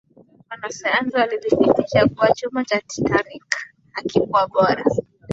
wanasayansi walithibitisha kuwa chuma cha titanic hakikuwa bora